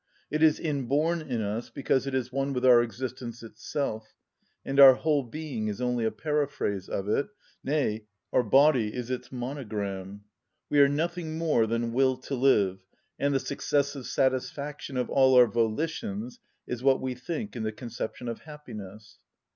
It is inborn in us because it is one with our existence itself, and our whole being is only a paraphrase of it, nay, our body is its monogram. We are nothing more than will to live and the successive satisfaction of all our volitions is what we think in the conception of happiness.